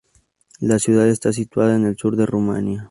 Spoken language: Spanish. La ciudad está situada en el sur de Rumania.